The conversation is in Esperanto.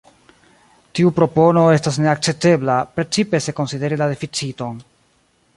Tiu propono estas ne akceptebla, precipe se konsideri la deficiton.